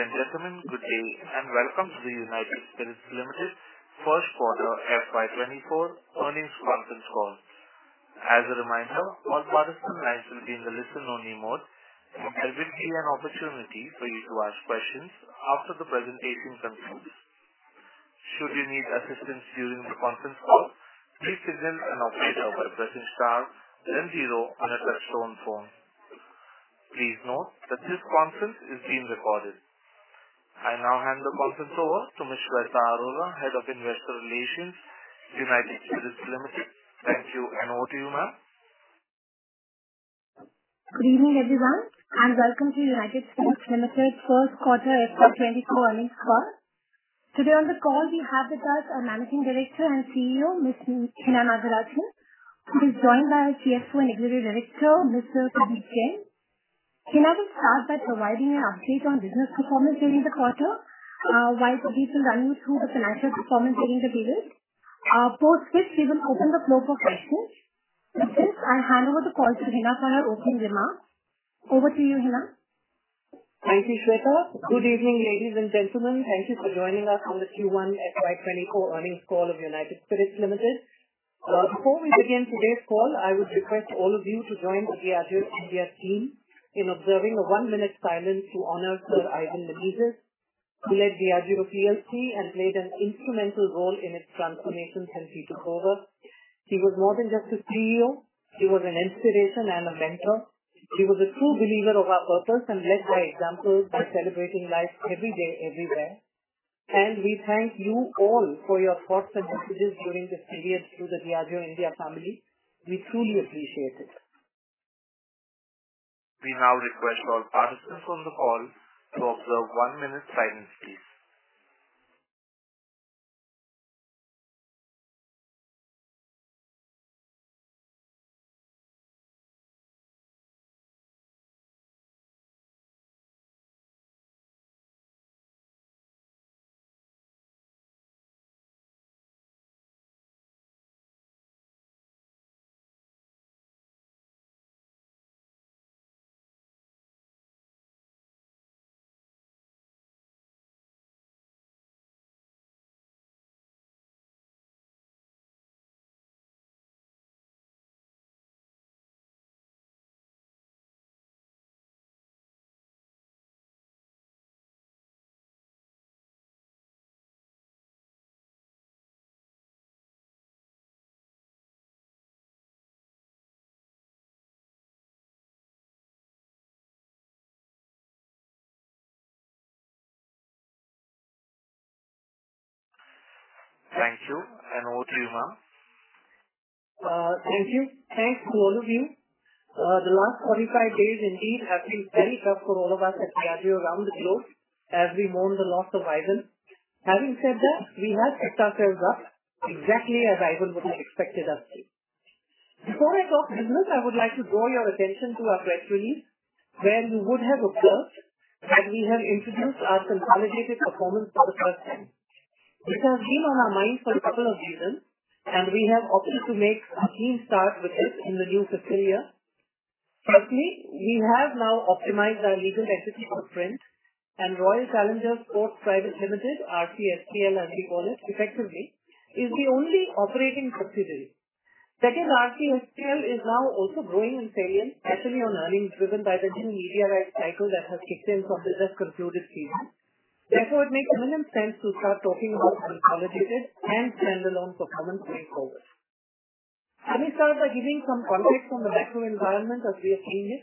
Ladies and gentlemen, good day, and welcome to the United Spirits Limited First Quarter FY 2024 Earnings Conference Call. As a reminder, all participants will be in the listen-only mode. There will be an opportunity for you to ask questions after the presentation concludes. Should you need assistance during the conference call, please signal an operator by pressing star then zero on your touchtone phone. Please note that this conference is being recorded. I now hand the conference over to Shweta Arora, Head of Investor Relations, United Spirits Limited. Thank you, and over to you, ma'am. Good evening, everyone, welcome to United Spirits Limited First Quarter FY 2024 Earnings Call. Today on the call, we have with us our Managing Director and CEO, Ms. Hina Nagarajan, who is joined by our CFO and Executive Director, Mr. Pradeep Jain. Hina will start by providing an update on business performance during the quarter, while Pradeep will run you through the financial performance during the period. Post this, we will open the floor for questions. With this, I hand over the call to Hina for her opening remarks. Over to you, Hina. Thank you, Shweta. Good evening, ladies and gentlemen. Thank you for joining us on the Q1 FY 2024 earnings call of United Spirits Limited. Before we begin today's call, I would request all of you to join the Diageo India team in observing a one-minute silence to honor Sir Ivan Menezes, who led Diageo plc and played an instrumental role in its transformation since he took over. He was more than just a CEO. He was an inspiration and a mentor. He was a true believer of our purpose and led by example by celebrating life every day, everywhere. We thank you all for your thoughts and messages during this period to the Diageo India family. We truly appreciate it. We now request all participants on the call to observe one minute silence, please. Thank you, over to you, ma'am. Thank you. Thanks to all of you. The last 45 days indeed have been very tough for all of us at Diageo around the globe as we mourn the loss of Ivan. Having said that, we have set ourselves up exactly as Ivan would have expected us to. Before I talk business, I would like to draw your attention to our press release, where you would have observed that we have introduced our consolidated performance for the first time. This has been on our mind for a couple of reasons, and we have opted to make a clean start with this in the new fiscal year. Firstly, we have now optimized our legal entity footprint and Royal Challengers Sports Private Limited, RCSPL, as we call it effectively, is the only operating subsidiary. Second, RCSPL is now also growing in sales, especially on earnings driven by the new media rights cycle that has kicked in from the just concluded season. Therefore, it makes eminent sense to start talking about consolidated and standalone performance going forward. Let me start by giving some context on the macro environment as we are seeing it.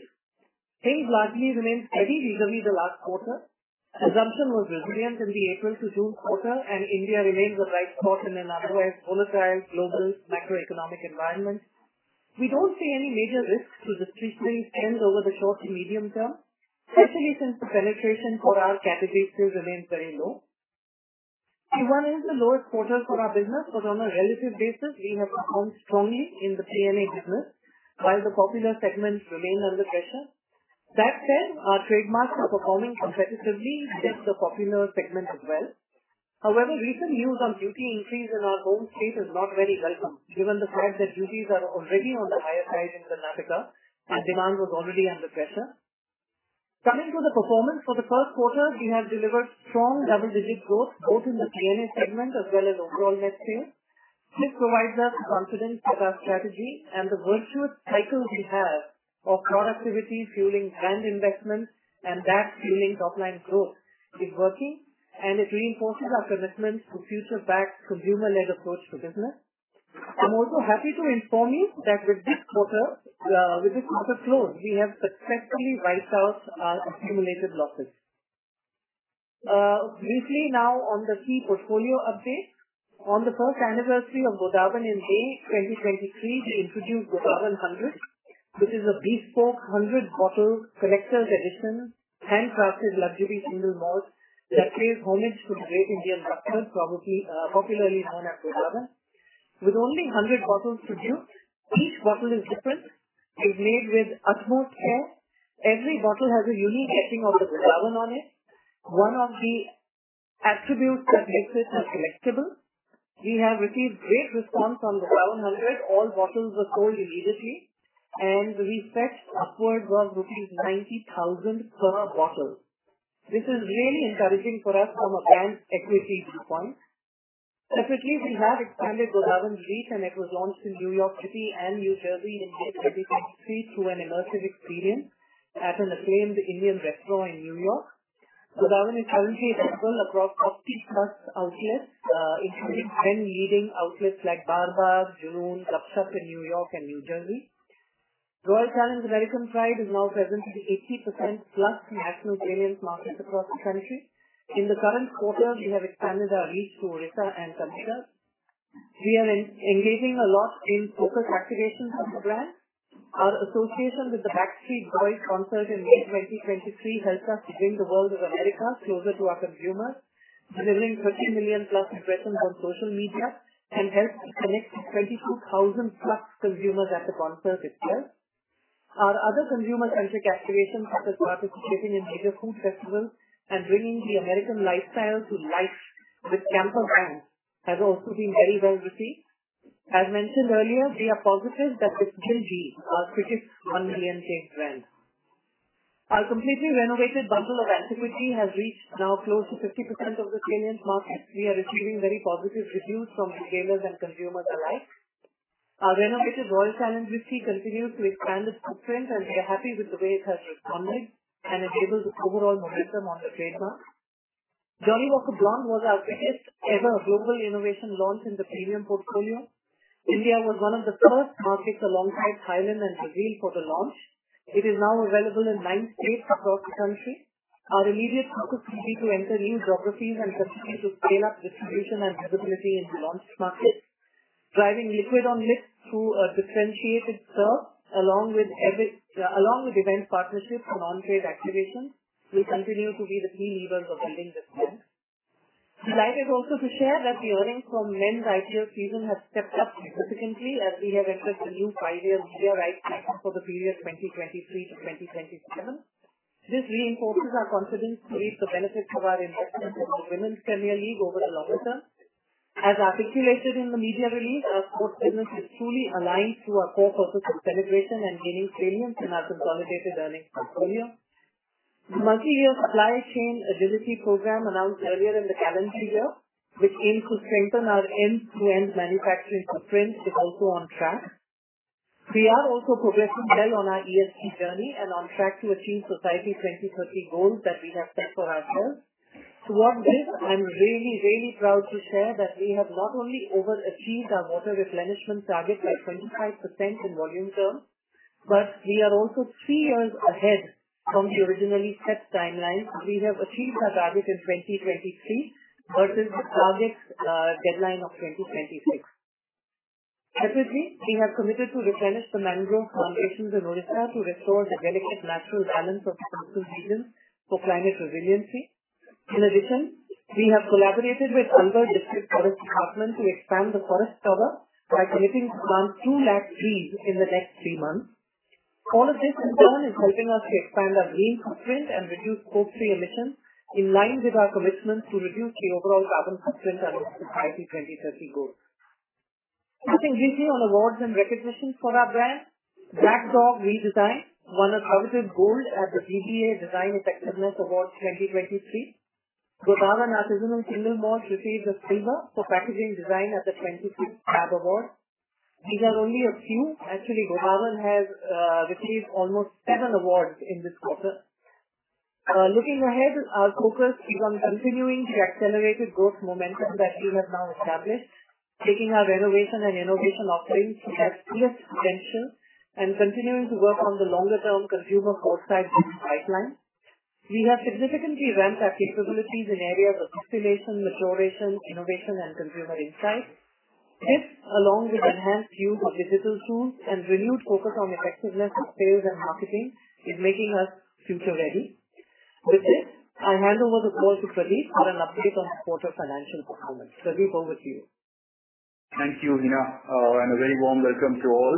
Things largely remained steady visually the last quarter. Consumption was resilient in the April to June quarter, and India remains a bright spot in an otherwise volatile global macroeconomic environment. We don't see any major risks to this recent trend over the short to medium term, especially since the penetration for our category still remains very low. Q1 is the lowest quarter for our business, but on a relative basis, we have performed strongly in the P&A business, while the popular segment remained under pressure. That said, our trademarks are performing competitively against the popular segment as well. Recent news on duty increase in our home state is not very welcome, given the fact that duties are already on the higher side in the liquor and demand was already under pressure. Coming to the performance for the first quarter, we have delivered strong double-digit growth both in the P&A segment as well as overall net sales. This provides us confidence in our strategy and the virtuous cycle we have of productivity fueling brand investment and that fueling top-line growth is working, and it reinforces our commitment to future-backed, consumer-led approach to business. I'm also happy to inform you that with this quarter close, we have successfully write off our accumulated losses. Briefly now on the key portfolio update. On the first anniversary of Godawan in May 2023, we introduced Godawan 100, which is a bespoke 100-bottle collector's edition, handcrafted luxury single malt that pays homage to the Great Indian Bustard, popularly known as Godawan. With only 100 bottles produced, each bottle is different. It's made with utmost care. Every bottle has a unique etching of the Godawan on it, attributes that make it a collectible. We have received great response on the 100. All bottles were sold immediately, and we fetched upwards of rupees 90,000 per bottle. This is really encouraging for us from a brand equity standpoint. Secondly, we have expanded Godawan reach, and it was launched in New York City and New Jersey in May 2023 through an immersive experience at an acclaimed Indian restaurant in New York. Godawan is currently available across 40+ outlets, including trend-leading outlets like Baar Baar, Junoon, GupShup in New York and New Jersey. Royal Challenge American Pride is now present in 80%+ national premium markets across the country. In the current quarter, we have expanded our reach to Odisha and Karnataka. We are engaging a lot in focused activations of the brand. Our association with the Backstreet Boys concert in May 2023 helped us bring the world of America closer to our consumers, delivering 30 million+ impressions on social media and helped connect with 22,000+ consumers at the concert itself. Our other consumer-centric activations, such as participating in major food festivals and bringing the American lifestyle to life with camper vans, has also been very well received. As mentioned earlier, we are positive that this will be our quickest 1 million-case brand. Our completely renovated bottle of Antiquity has reached now close to 50% of the premium markets. We are receiving very positive reviews from retailers and consumers alike. Our renovated Royal Challenge whisky continues to expand its footprint, and we are happy with the way it has responded and enabled the overall momentum on the trademark. Johnnie Walker Blonde was our biggest ever global innovation launch in the premium portfolio. India was one of the first markets alongside Thailand and Brazil for the launch. It is now available in nine states across the country. Our immediate focus will be to enter new geographies and continue to scale up distribution and visibility in the launch markets, driving liquid on list through a differentiated serve, along with event partnerships for non-trade activations will continue to be the key levers of building this brand. Delighted also to share that the earnings from men's IPL season have stepped up significantly as we have entered a new five-year media rights deal for the period 2023 to 2027. This reinforces our confidence to reap the benefits of our investment in our Women's Premier League over the longer term. As articulated in the media release, our sports business is fully aligned to our core purpose of celebration and gaining premiums in our consolidated earnings portfolio. The multi-year supply chain agility program announced earlier in the calendar year, which aims to strengthen our end-to-end manufacturing footprint, is also on track. We are also progressing well on our ESG journey and on track to achieve Society 2030 goals that we have set for ourselves. Towards this, I'm really, really proud to share that we have not only overachieved our water replenishment target by 25% in volume terms, but we are also three years ahead from the originally set timelines. We have achieved our target in 2023 versus the target deadline of 2026. Secondly, we have committed to replenish the mangrove foundations in Odisha to restore the delicate natural balance of coastal regions for climate resiliency. In addition, we have collaborated with Angul District Forest Department to expand the forest cover by committing to plant two lakh trees in the next three months. All of this together is helping us to expand our green footprint and reduce Scope 3 emissions in line with our commitment to reduce the overall carbon footprint and Society 2030 goals. Let me give you on awards and recognitions for our brands. Black Dog redesign won a coveted gold at the DBA Design Effectiveness Awards 2023. Godawan Artisanal Single Malt received a silver for packaging design at the 2023 FAB Awards. These are only a few. Godawan has received almost seven awards in this quarter. Looking ahead, our focus is on continuing the accelerated growth momentum that we have now established, taking our renovation and innovation offerings to their fullest potential and continuing to work on the longer-term consumer foresight growth pipeline. We have significantly ramped our capabilities in areas of acceleration, maturation, innovation, and consumer insight. This, along with enhanced use of digital tools and renewed focus on effectiveness of sales and marketing, is making us future-ready. With this, I hand over the call to Pradeep for an update on the quarter financial performance. Pradeep, over to you. Thank you, Hina. A very warm welcome to all.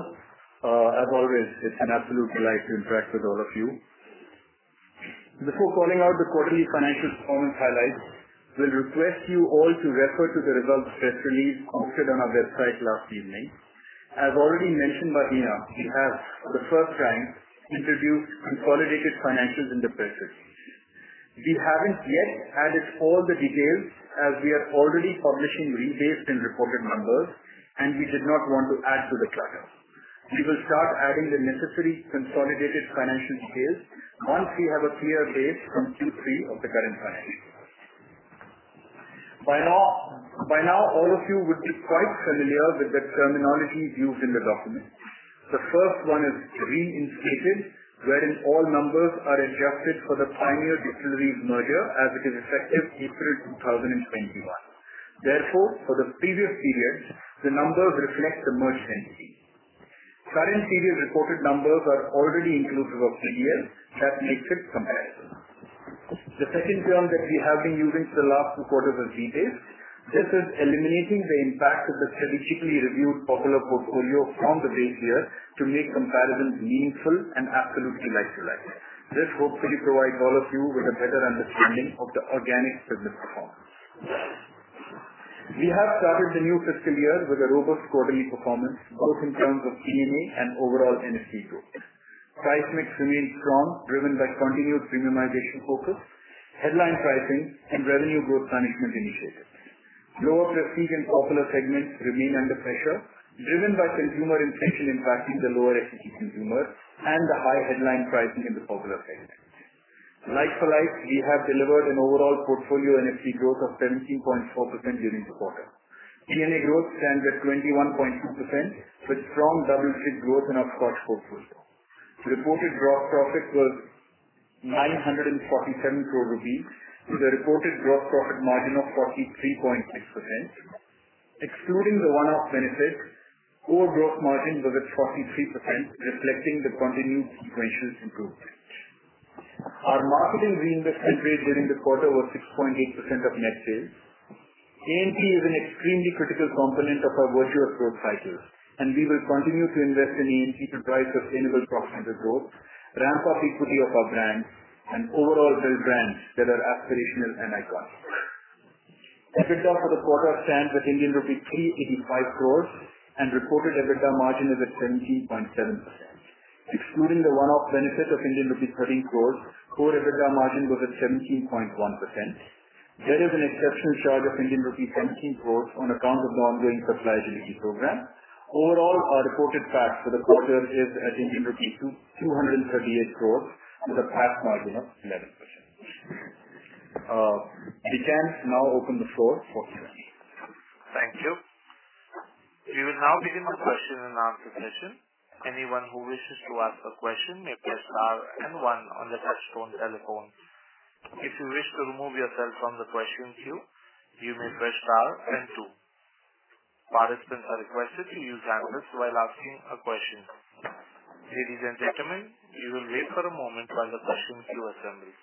As always, it's an absolute delight to interact with all of you. Before calling out the quarterly financial performance highlights, we'll request you all to refer to the results press release posted on our website last evening. Already mentioned by Hina, we have, for the first time, introduced consolidated financials in the presser. We haven't yet added all the details, as we are already publishing restated and reported numbers, we did not want to add to the clutter. We will start adding the necessary consolidated financial details once we have a clear base from Q3 of the current financial year. By now, all of you would be quite familiar with the terminologies used in the document. The first one is reinstated, wherein all numbers are adjusted for the Pioneer Distilleries merger, as it is effective April 2021. Therefore, for the previous periods, the numbers reflect the merged entity. Current period reported numbers are already inclusive of PDL that make strict comparisons. The second term that we have been using for the last two quarters is rebased. This is eliminating the impact of the strategically reviewed popular portfolio from the base year to make comparisons meaningful and absolutely like-for-like. This hopefully provides all of you with a better understanding of the organic business performance. We have started the new fiscal year with a robust quarterly performance, both in terms of P&A and overall NSV growth. Price mix remains strong, driven by continued premiumization focus, headline pricing, and revenue growth management initiatives. Lower prestige and popular segments remain under pressure, driven by consumer inflation impacting the lower FMCG consumers and the high headline pricing in the popular segment. Like for like, we have delivered an overall portfolio NSV growth of 17.4% during the quarter. P&A growth stands at 21.2%, with strong double-digit growth in our Scotch portfolio. Reported gross profit was 947 crore rupees, with a reported gross profit margin of 43.6%. Excluding the one-off benefits, core growth margin was at 43%, reflecting the continued sequential improvement. Our marketing reinvestment rate during this quarter was 6.8% of net sales. A&P is an extremely critical component of our virtuous growth cycle, and we will continue to invest in A&P to drive sustainable profitable growth, ramp up equity of our brands, and overall build brands that are aspirational and iconic. EBITDA for the quarter stands at Indian rupee 385 crore, and reported EBITDA margin is at 17.7%. Excluding the one-off benefit of Indian rupees 13 crore, core EBITDA margin was at 17.1%. There is an exceptional charge of Indian rupees 17 crore on account of the ongoing supply agility program. Overall, our reported PAT for the quarter is at 238 crore, with a PAT margin of 11%. We can now open the floor for questions. Thank you. We will now begin the question and answer session. Anyone who wishes to ask a question may press star one on their touchtone telephone. If you wish to remove yourself from the question queue, you may press star two. Participants are requested to use answers while asking a question. Ladies and gentlemen, we will wait for a moment while the questions queue assembles.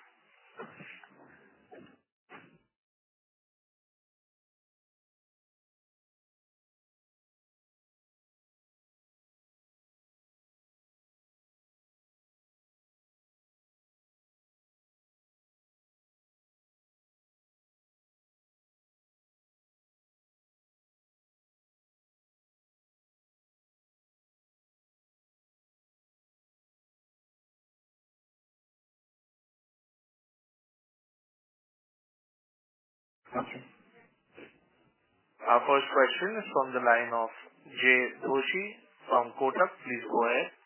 Our first question is from the line of Jaykumar Doshi from Kotak. Please go ahead.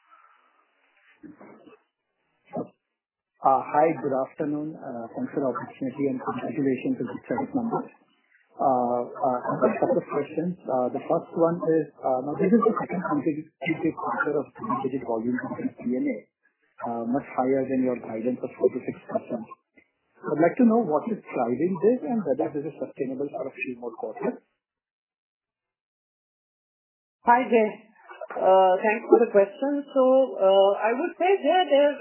Hi, good afternoon, thanks for the opportunity and congratulations on the traffic numbers. I have a couple of questions. The first one is, now this is the second consecutive quarter of double-digit volume growth in P&A, much higher than your guidance of 4%-6%. I'd like to know what is driving this and whether this is sustainable for a few more quarters? Hi, Jay. Thanks for the question. I would say, yeah, there's...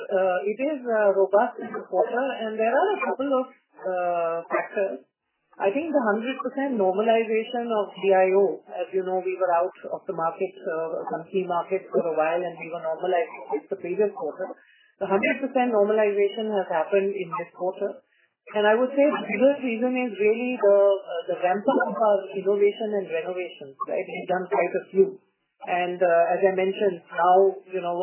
It is robust this quarter, and there are a couple of factors. I think the 100% normalization of BIO, as you know, we were out of the market, country market for a while, and we were normalized since the previous quarter. The 100% normalization has happened in this quarter, and I would say the other reason is really the ramp up of our innovation and renovations, right? We've done quite a few. As I mentioned, now, you know,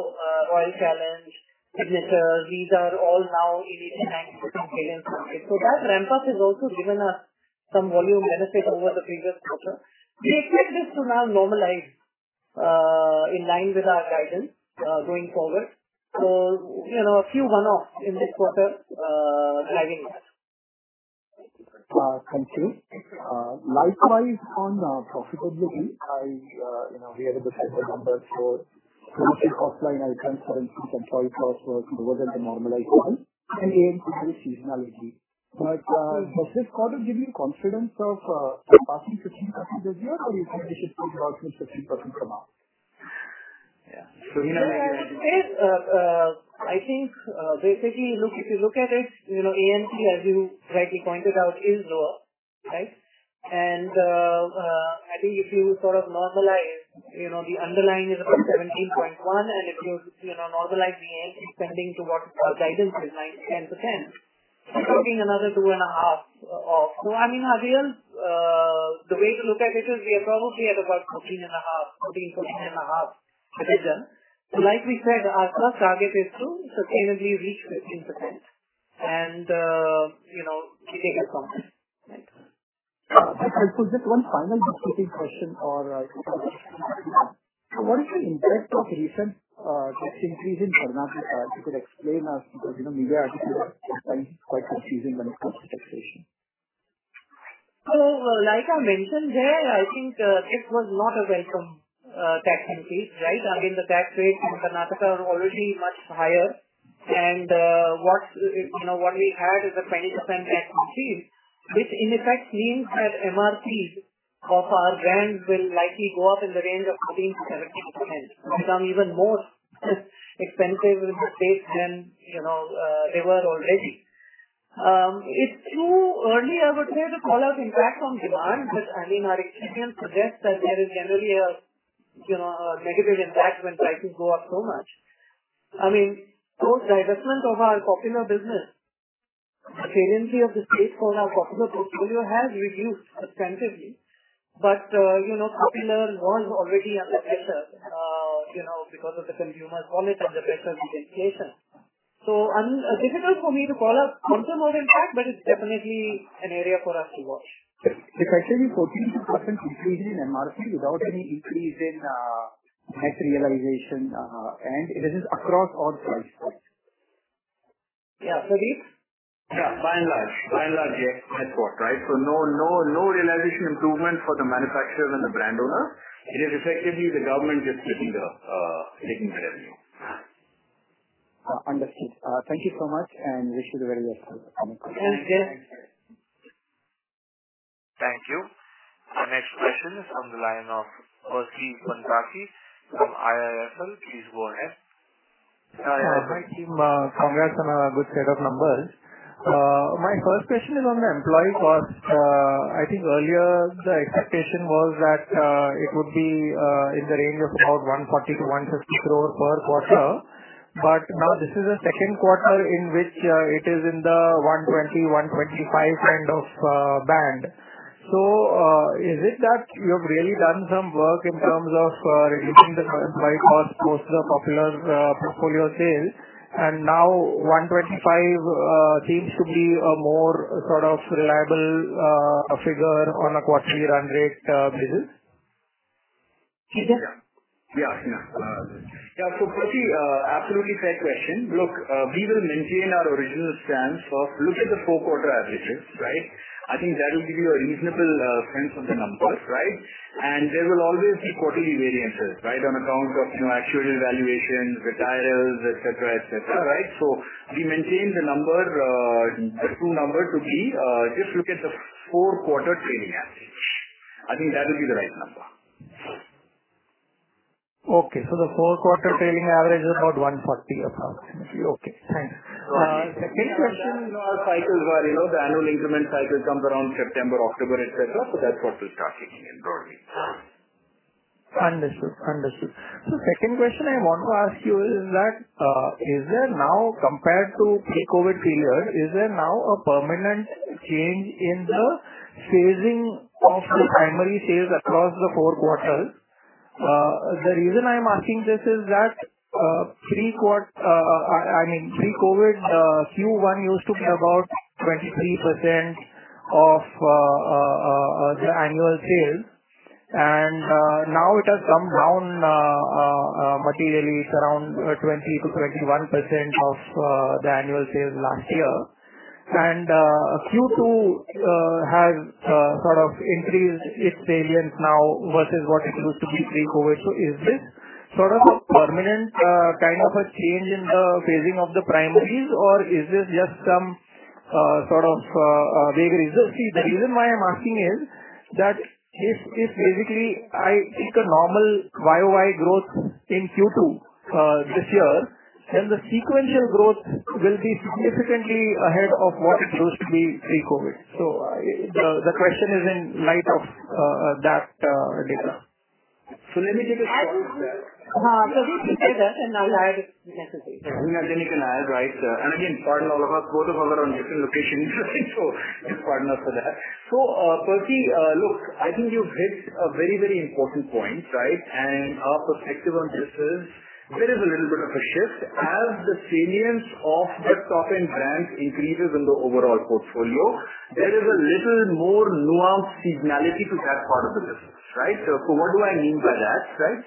Royal Challenge, Signature, these are all now in the growing market. That ramp up has also given us some volume benefit over the previous quarter. We expect this to now normalize in line with our guidance going forward. You know, a few one-offs in this quarter, driving that. Thank you. Likewise, on profitability, I, you know, we had the cyber numbers for promotion offline item transparency, so lower than the normalized one and due to seasonality. Does this quarter give you confidence of surpassing 15% this year, or you think it should be about 15% from now? Yeah. I would say, I think, basically, look, if you look at it, you know, A&P, as you rightly pointed out, is lower, right? I think if you sort of normalize, you know, the underlying is at 17.1, and if you know, normalize the A&P spending to what our guidance is, 9%-10%, that would mean another two and a half off. I mean, our real, the way to look at it is we are probably at about 13.5%, 13%, 14.5% division. Like we said, our first target is to sustainably reach 15% and, you know, keep it at that, right. just one final quick question or, what is your impact of recent, tax increase in Karnataka? If you could explain us, because, you know, media articles are quite confusing when it comes to taxation. Like I mentioned there, I think, this was not a welcome tax increase, right? I mean, the tax rates in Karnataka are already much higher. What's, you know, what we had is a 20% tax increase, which in effect means that MRPs of our brands will likely go up in the range of 13%-17%, become even more expensive in the state than, you know, they were already. It's too early, I would say, to call out the impact on demand, but again, our experience suggests that there is generally a, you know, a negative impact when prices go up so much. I mean, the divestment of our popular business, the saliency of the space for our popular portfolio has reduced extensively. you know, popular was already under pressure, you know, because of the consumer's wallet and the pressure with inflation. It's difficult for me to call out consumer impact, but it's definitely an area for us to watch. If I tell you 14% increase in MRP without any increase in net realization, and it is just across all price points? Yeah. Pradeep? Yeah, by and large. By and large, yes. That's what, right? No realization improvement for the manufacturer and the brand owner. It is effectively the government just taking the revenue. Understood. Thank you so much, and wish you the very best for the coming quarter. Yes, yes. Thank you. Our next question is from the line of Percy Panthaki from IIFL. Please go ahead. Hi, team. Congrats on a good set of numbers. My first question is on the employee cost. I think earlier the expectation was that it would be in the range of about 140 crore-160 crore per quarter. Now this is the second quarter in which it is in the 120 crore-125 crore kind of band. Is it that you have really done some work in terms of reducing the cost by cost post the popular portfolio sale? Now 125 crore seems to be a more sort of reliable figure on a quarterly run rate basis. Yes, sir. Yeah. Yeah. Percy, absolutely fair question. Look, we will maintain our original stance of look at the four-quarter averages, right? I think that will give you a reasonable sense of the numbers, right? There will always be quarterly variances, right? On account of, you know, actuarial valuations, retireals, et cetera, et cetera, right? We maintain the number, the true number to be, just look at the four-quarter trailing average. I think that will be the right number. Okay. The four-quarter trailing average is about 140 approximately. Okay, thanks. Second question, you know, cycles where, you know, the annual increment cycle comes around September, October, et cetera, that's what we start kicking in broadly. Understood. Understood. Second question I want to ask you is that, is there now, compared to pre-COVID period, is there now a permanent change in the phasing of the primary sales across the four quarters? The reason I'm asking this is that, I mean pre-COVID, Q1 used to be about 23% of the annual sales, and now it has come down materially to around 20%-21% of the annual sales last year. Q2 has sort of increased its variance now versus what it used to be pre-COVID. Is this sort of a permanent kind of a change in the phasing of the primaries, or is this just some sort of vague results? See, the reason why I'm asking is that if basically I take a normal YOY growth in Q2 this year, then the sequential growth will be significantly ahead of what it used to be pre-COVID. The question is in light of that data. Let me take a shot at that. Let me take that, and I'll add if necessary. Then you can add, right? Again, pardon all of us. Both of us are on different locations, so pardon us for that. Percy, look, I think you've hit a very, very important point, right? Our perspective on this is there is a little bit of a shift. As the salience of the top-end brands increases in the overall portfolio, there is a little more nuanced seasonality to that part of the business, right? What do I mean by that, right?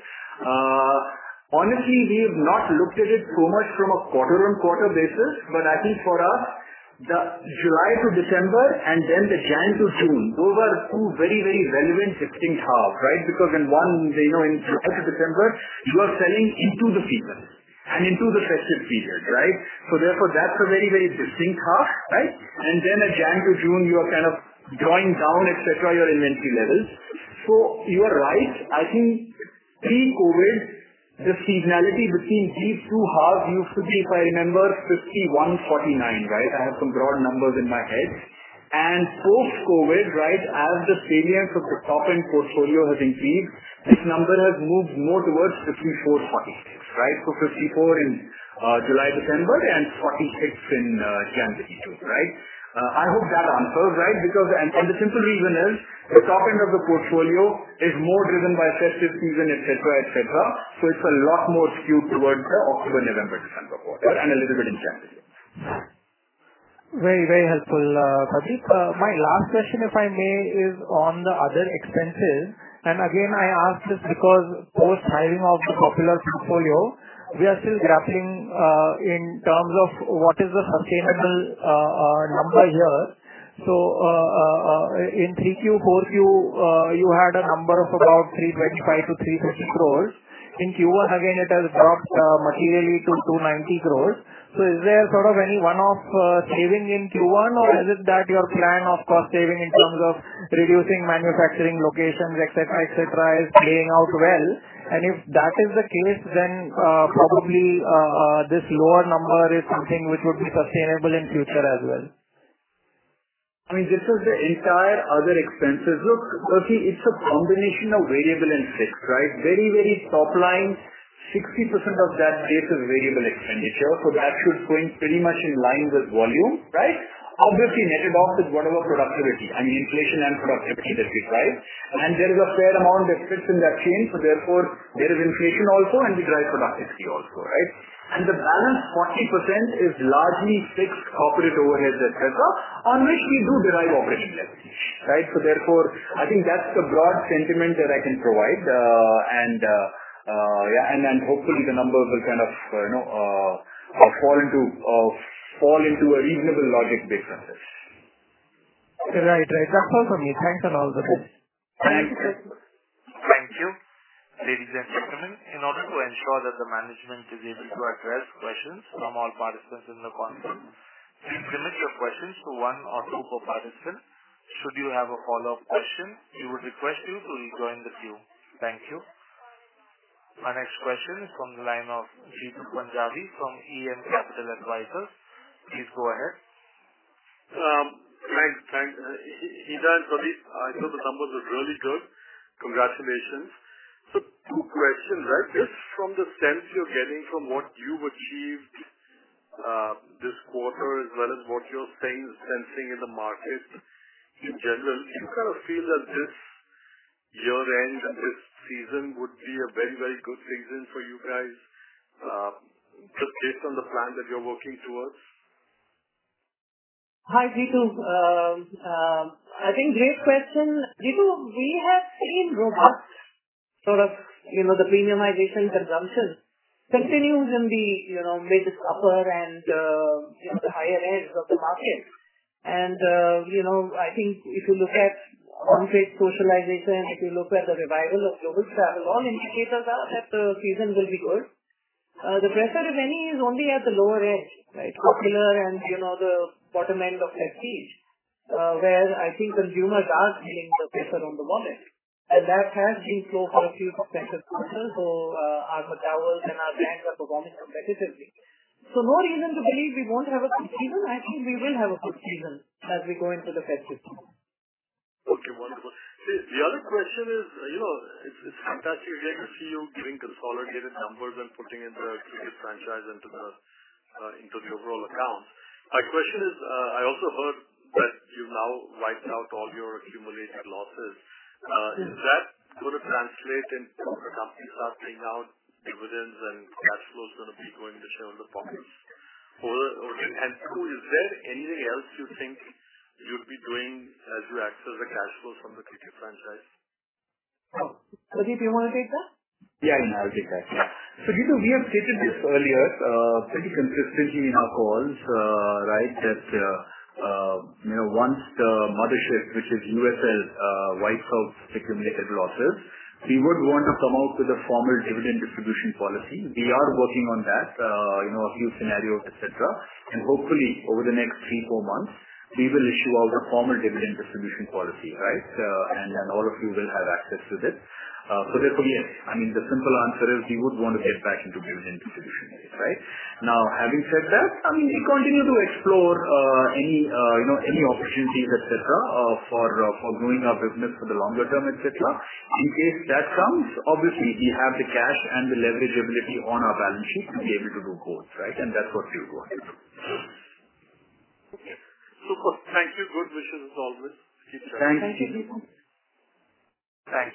Honestly, we've not looked at it so much from a quarter-on-quarter basis, but I think for us, the July to December and then the Jan to June, those are two very, very relevant distinct halves, right? In one, you know, in July to December, you are selling into the season and into the festive season, right? Therefore, that's a very, very distinct half, right? Then at Jan to June, you are kind of drawing down, et cetera, your inventory levels. You are right, I think pre-COVID, the seasonality between these two halves used to be, if I remember, 51/49, right? I have some broad numbers in my head. Post-COVID, right, as the salience of the top-end portfolio has increased, this number has moved more towards 54/46, right? 54 in July, December, and 46 in Jan to June, right? I hope that answers, right? The simple reason is, the top end of the portfolio is more driven by festive season, et cetera, et cetera, so it's a lot more skewed towards the October, November, December quarter and a little bit in January. Very, very helpful, Pradeep. My last question, if I may, is on the other expenses. Again, I ask this because post-hiring of the popular portfolio, we are still grappling in terms of what is the sustainable number here. In Q3, Q4, you had a number of about 325 crore-350 crore. In Q1 again, it has dropped materially to 290 crore. Is there sort of any one-off saving in Q1, or is it that your plan of cost saving in terms of reducing manufacturing locations, et cetera, et cetera, is playing out well? If that is the case, then probably this lower number is something which would be sustainable in future as well. I mean, this is the entire other expenses. Look, okay, it's a combination of variable and fixed, right? Very top line, 60% of that base is variable expenditure, so that should go in pretty much in line with volume, right? Obviously, net of whatever productivity, I mean, inflation and productivity that we drive. There is a fair amount that fits in that chain, so therefore there is inflation also and we drive productivity also, right? The balance 40% is largely fixed corporate overhead, et cetera, on which we do derive operational efficiency, right? So therefore, I think that's the broad sentiment that I can provide. Yeah, hopefully the numbers will kind of, you know, fall into a reasonable logic based on this. Right. Right. That's all for me. Thanks and all the best. Thank you. Thank you. Ladies and gentlemen, in order to ensure that the management is able to address questions from all participants in the conference, please limit your questions to one or two per participant. Should you have a follow-up question, we would request you to rejoin the queue. Thank you. Our next question is from the line of Jeetu Panjabi from EM Capital Advisors. Please go ahead. Thanks. Thanks. Hina, Pradeep, I thought the numbers were really good. Congratulations! Two questions. Just from the sense you're getting from what you've achieved this quarter, as well as what you're sensing in the market in general, do you kind of feel that this year-end, this season would be a very, very good season for you guys, just based on the plan that you're working towards? Hi, Jeetu. I think great question. Jeetu, we have seen robust sort of, you know, the premiumization consumption continues in the, you know, mid to upper and, you know, the higher ends of the market. I think if you look at on-trade socialization, if you look at the revival of global travel, all indicators are that the season will be good. The pressure, if any, is only at the lower end, right? Popular and, you know, the bottom end of prestige, where I think consumers are feeling the pressure on the wallet, and that has been slow for a few consecutive quarters. Our hotels and our banks are performing competitively. No reason to believe we won't have a good season. I think we will have a good season as we go into the festive season. Okay, wonderful. The other question is, you know, it's fantastic to see you giving consolidated numbers and putting into a cricket franchise, into the overall accounts. My question is, I also heard that you've now wiped out all your accumulated losses. Is that going to translate into the company starting out dividends and cash flows gonna be going to show in the pockets? Or, and two, is there anything else you think you'd be doing as you access the cash flows from the cricket franchise? Pradeep, you want to take that? Yeah, I'll take that. Jeetu, we have stated this earlier, pretty consistently in our calls, right, that, you know, once the mothership, which is USL, wipes out the accumulated losses, we would want to come out with a formal dividend distribution policy. We are working on that, you know, a few scenarios, et cetera. Hopefully, over the next three to four months, we will issue out a formal dividend distribution policy, right. Then all of you will have access to it. Therefore, yes, I mean, the simple answer is, we would want to get back into dividend distribution, right. Having said that, I mean, we continue to explore, any, you know, any opportunities, et cetera, for growing our business for the longer term, et cetera. In case that comes, obviously, we have the cash and the leverage ability on our balance sheet to be able to do both, right? That's what we will go ahead with. Okay. Super. Thank you. Good wishes as always. Thank you. Thank you, Jeetu. Thank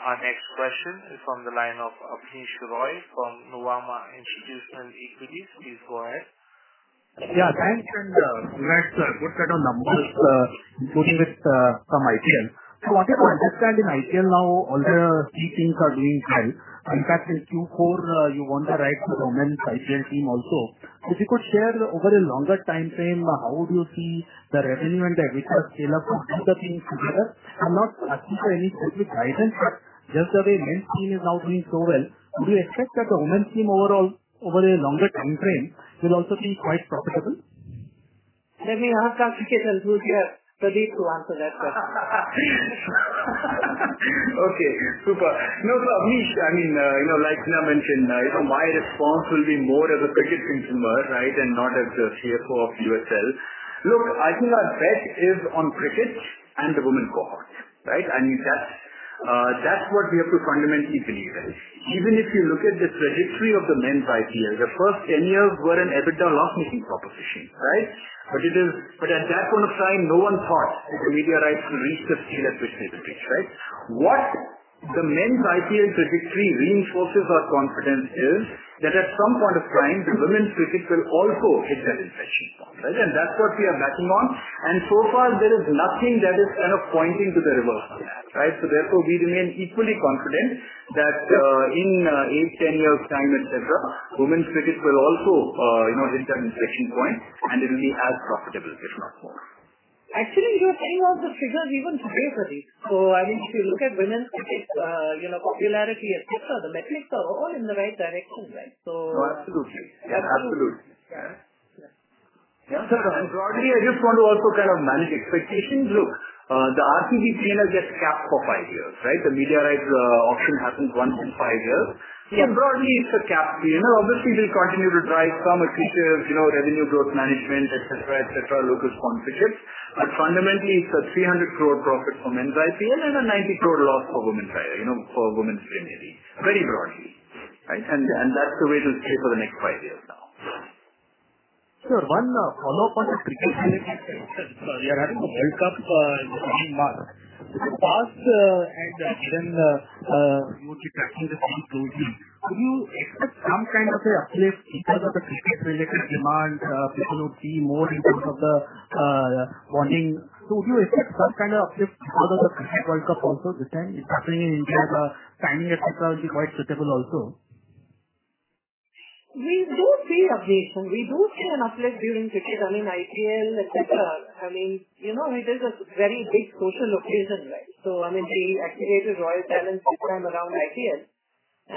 you. Our next question is from the line of Abneesh Roy from Nuvama Institutional Equities. Please go ahead. Yeah, thanks, and congrats. Good set of numbers, including with from IPL. I wanted to understand in IPL now, all the key things are being held. In fact, in Q4, you won the right to women's IPL team also. If you could share over a longer time frame, how would you see the revenue and the EBITDA scale up to put the things together? I'm not asking for any specific guidance, but just the way men's team is now doing so well, do you expect that the women's team overall, over a longer time frame, will also be quite profitable? Let me ask Pradeep, who's here, Pradeep, to answer that question. Okay, super. Abhi, I mean, you know, like Hina mentioned, you know, my response will be more as a cricket consumer, right, and not as the CFO of USL. Look, I think our bet is on cricket and the women cohort, right? I mean, that's what we have to fundamentally believe in. Even if you look at the trajectory of the men's IPL, the first 10 years were an EBITDA loss-making proposition, right? At that point of time, no one thought that the media rights would reach the scale at which they reached, right? What the men's IPL trajectory reinforces our confidence is, that at some point of time, the women's cricket will also hit that inflection point, right? That's what we are betting on. So far, there is nothing that is kind of pointing to the reverse in that, right? Therefore, we remain equally confident that in eight, 10 years time, et cetera, women's cricket will also, you know, hit that inflection point, and it will be as profitable, if not more. Actually, you are saying all the figures even today, Pradeep. I mean, if you look at women's cricket, you know, popularity, et cetera, the metrics are all in the right direction, right? Absolutely. Yeah, absolutely. Sir, broadly, I just want to also kind of manage expectations. Look, the RCB team has just capped for five years, right? The media rights, auction happens once in 5 years. Broadly, it's a capped team, and obviously, we'll continue to drive some accretive, you know, revenue growth management, et cetera, et cetera, local sponsorships. Fundamentally, it's a 300 crore profit for men's IPL and a 90 crore loss for women's player, you know, for women's premium, very broadly, right? That's the way it'll stay for the next five years now. Sir, one follow-up on the cricket series. We are having the World Cup in coming months. In the past, and even, which is actually the same program, do you expect some kind of an uplift in terms of the cricket-related demand, people would be more in terms of the bonding? Would you expect some kind of uplift because of the Cricket World Cup also this time? It's happening in India. Timing, et cetera, would be quite suitable also. We do see uplift, and we do see an uplift during cricket. I mean, IPL, et cetera. I mean, you know, it is a very big social occasion, right? I mean, we activated Royal Challenge this time around IPL,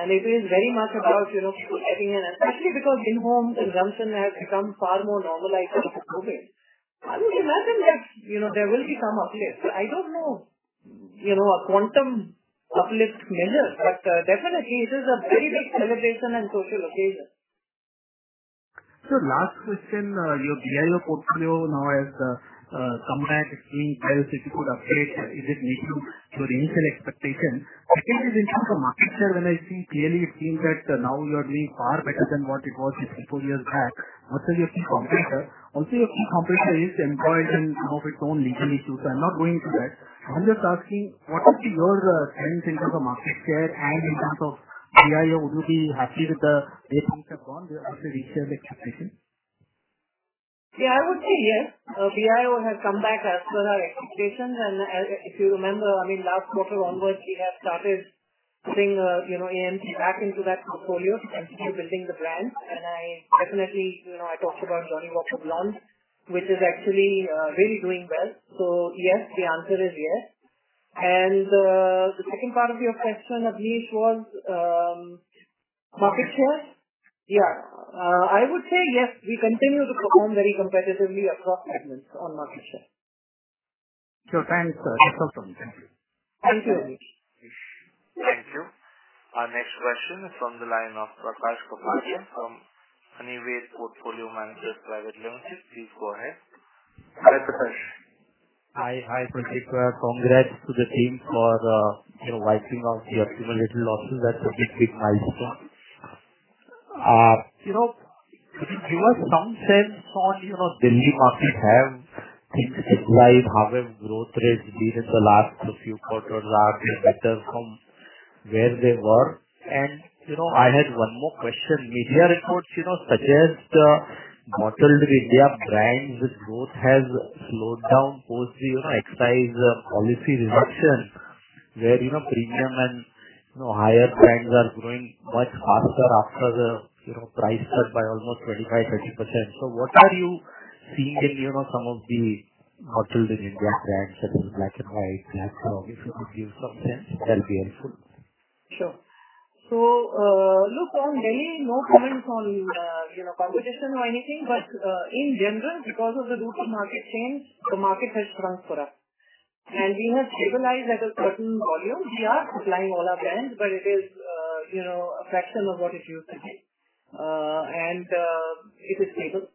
and it is very much about, you know, people getting in, especially because in-home consumption has become far more normalized. Okay. I would imagine that, you know, there will be some uplift. I don't know, you know, a quantum uplift measure, but definitely it is a very big celebration and social occasion. Last question, your BIO portfolio now has come back again. BIO City could update. Is it meeting your initial expectation? Especially in terms of market share, when I see, clearly it seems that now you are doing far better than what it was just four years back versus your key competitor. Your key competitor is employed in some of its own legal issues. I'm not going into that. I'm just asking, what is your strength in terms of market share, and in terms of BIO, would you be happy with the way things have gone as we reach their expectation? Yeah, I would say yes. BIO has come back as per our expectations. As if you remember, I mean, last quarter onwards, we have started putting, you know, in back into that portfolio and keep building the brand. I definitely, you know, I talked about Johnnie Walker Blonde, which is actually really doing well. Yes, the answer is yes. The second part of your question, Abneesh, was market share? Yeah. I would say yes, we continue to perform very competitively across segments on market share. Thanks, sir. This was all. Thank you. Thank you. Thank you. Our next question is from the line of Prakash Kapadia from Anived Portfolio Managers Private Limited. Please go ahead. Hi, Prakash. Hi. Hi, Pradeep. congrats to the team for, you know, wiping out your accumulated losses. That's a big, big, nice one. you know, could you give us some sense on, you know, Delhi market, have things like average growth rates been in the last few quarters are better from where they were? I had one more question. Media reports, you know, suggest, Bottled India brands' growth has slowed down post the, you know, excise, policy reduction, where, you know, premium and, you know, higher brands are growing much faster after the, you know, price cut by almost 25%, 30%. What are you seeing in, you know, some of the Bottled India brands, such as Black & White? If you could give some sense, that would be helpful. Sure. Look, on Delhi, no comments on, you know, competition or anything, but in general, because of the duty market change, the market has shrunk for us, and we have stabilized at a certain volume. We are supplying all our brands, but it is, you know, a fraction of what it used to be. It is stable.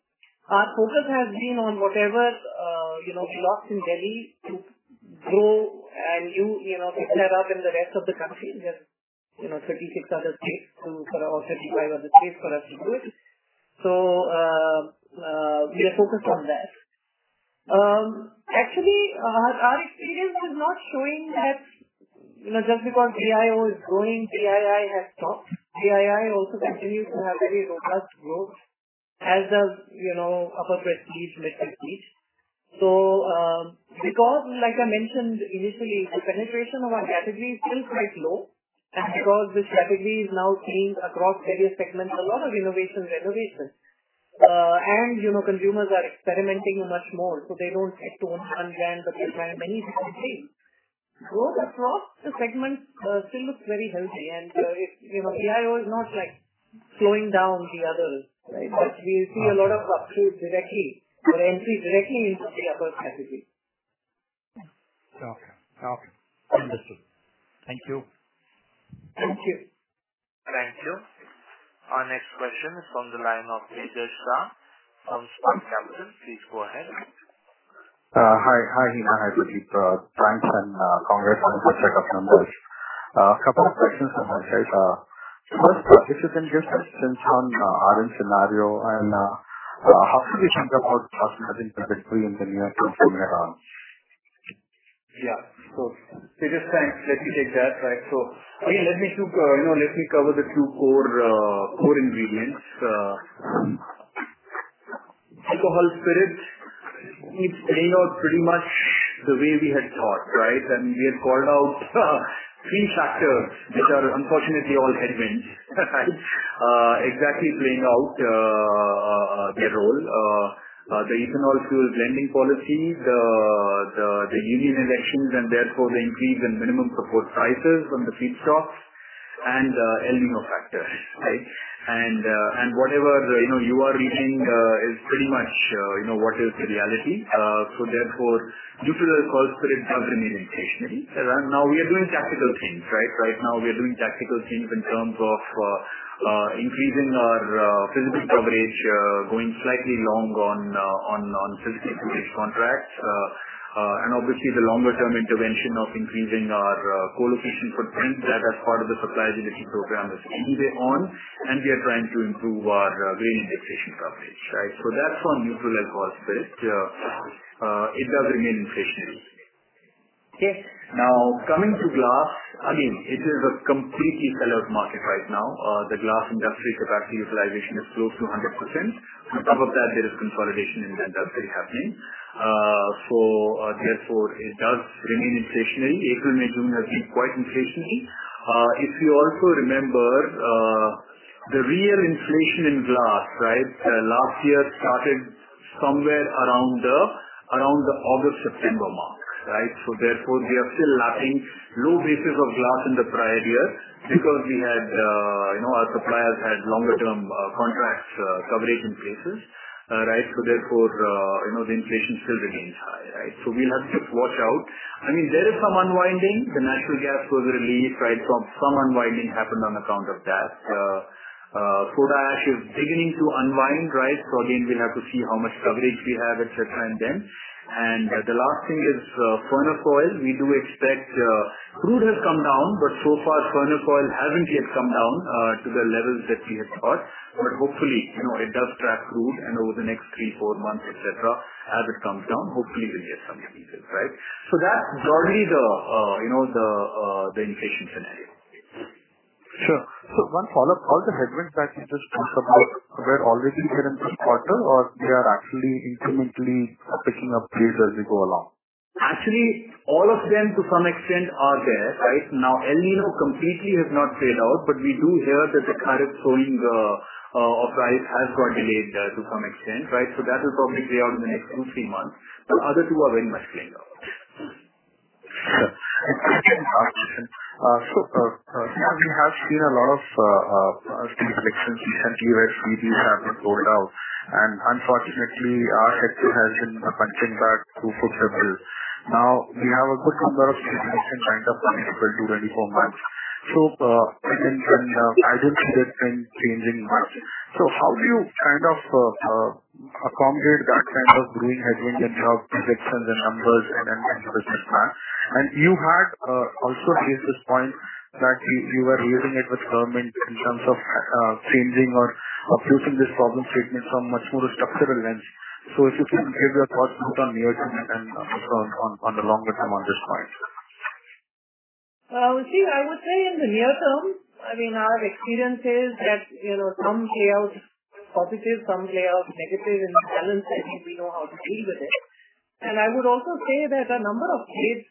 Our focus has been on whatever, you know, is lost in Delhi to grow and new, you know, to set up in the rest of the country. We have, you know, 36 other states or 35 other states for us to do it. We are focused on that. Actually, our experience is not showing that, you know, just because BIO is growing, BII has stopped. BII also continues to have very robust growth, as does, you know, upper prestige, mid prestige. Because like I mentioned initially, the penetration of our category is still quite low, and because this category is now seeing across various segments, a lot of innovation and renovation. And, you know, consumers are experimenting much more, so they don't get to own one brand or this brand. Many small things. Growth across the segment still looks very healthy, and it, you know, BIO is not, like, slowing down the others, right? We see a lot of ups through directly, or entry directly into the upper category. Okay. Okay. Understood. Thank you. Thank you. Thank you. Our next question is from the line of Tejas Shah from Spark Capital. Please go ahead. Hi. Hi, Hina. Hi, Pradeep, thanks and congrats on the set of numbers. A couple of questions from my side. First, if you can give us a sense on RM scenario and how should we think about margin trajectory in the near to nearer term? Yeah. Tejas, thanks. Let me take that, right. I mean, let me give, you know, let me cover the two core ingredients. Alcohol spirits, it played out pretty much the way we had thought, right? We had called out three factors, which are unfortunately all headwinds, exactly playing out the role. The ethanol fuel lending policy, the union elections, and therefore the increase in minimum support prices from the feedstocks... and El Niño factor, right? Whatever, you know, you are reading, is pretty much, you know, what is the reality. Therefore, neutral as cost spread does remain inflationary. Now, we are doing tactical things, right? Right now we are doing tactical things in terms of increasing our physical coverage, going slightly long on physical contracts. Obviously the longer term intervention of increasing our co-location footprint that as part of the supply delivery program is already on, and we are trying to improve our railing deflation coverage, right. That's on neutral as cost spread. It does remain inflationary. Okay. Coming to glass, I mean, it is a completely sellers market right now. The glass industry capacity utilization is close to 100%. On top of that, there is consolidation in the industry happening. Therefore it does remain inflationary. April, May, June are quite inflationary. If you also remember, the real inflation in glass last year started somewhere around the August, September mark. Therefore, we are still lapping low bases of glass in the prior year because we had, you know, our suppliers had longer-term contracts coverage in places. Therefore, you know, the inflation still remains high. We'll have to watch out. I mean, there is some unwinding. The natural gas was a relief. Some unwinding happened on account of that. Soda ash is beginning to unwind. Again, we'll have to see how much coverage we have, et cetera, and then the last thing is furnace oil. We do expect, crude has come down. So far furnace oil hasn't yet come down, to the levels that we had thought. Hopefully, you know, it does track crude and over the next three, four months, et cetera, as it comes down, hopefully we'll get some relief, right? That's broadly the, you know, the inflation landscape. Sure. One follow-up, all the headwinds that you just talked about were already there in this quarter or they are actually incrementally picking up pace as we go along? Actually, all of them to some extent are there, right? Now, El Niño completely has not played out, but we do hear that the current showing of rise has got delayed to some extent, right? That will probably play out in the next two, three months. The other two are very much playing out. Sure. We have seen a lot of recent years, BBs have not rolled out, unfortunately, our sector has been punching back through several. We have also seen the kind of unpredictable 24 months. I don't see that trend changing much. How do you kind of accommodate that kind of growing headwind in terms of predictions and numbers and such like that? You had also raised this point that you were raising it with government in terms of changing or using this problem statement from much more structural lens. If you can share your thoughts both on near term and on the longer term on this point. See, I would say in the near term, I mean, our experience is that, you know, some play out positive, some play out negative, and balance, I think we know how to deal with it. I would also say that a number of states,